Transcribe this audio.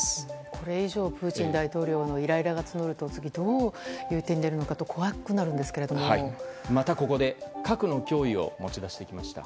これ以上プーチン大統領のイライラが募ると次、どういう手に出るのかとまたここで核の脅威を持ち出してきました。